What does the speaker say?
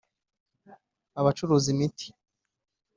abacuruza imiti